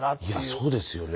そうですよね。